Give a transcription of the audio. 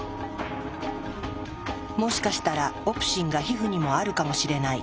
「もしかしたらオプシンが皮膚にもあるかもしれない」。